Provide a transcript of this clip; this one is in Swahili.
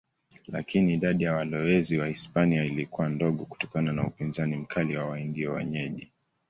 Lakini idadi ya walowezi Wahispania ilikuwa ndogo kutokana na upinzani mkali wa Waindio wenyeji.